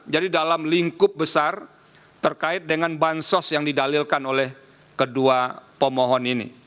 dalam lingkup besar terkait dengan bansos yang didalilkan oleh kedua pemohon ini